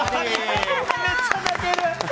めっちゃ泣ける。